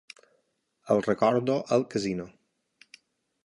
El recordo al casino.